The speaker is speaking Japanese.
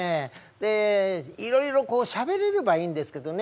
でいろいろこうしゃべれればいいんですけどね